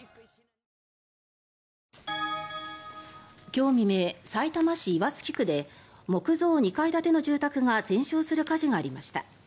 今日未明、さいたま市岩槻区で木造２階建ての住宅が全焼する火事がありました。